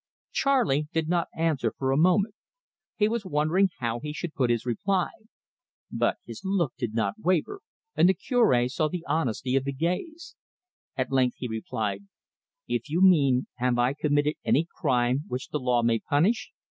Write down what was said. Charley did not answer for a moment. He was wondering how he should put his reply. But his look did not waver, and the Cure saw the honesty of the gaze. At length he replied: "If you mean, have I committed any crime which the law may punish?